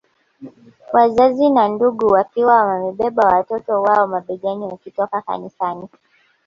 Wazazi na ndugu wakiwa wamewabeba watoto wao mabegani wakitoka kanisani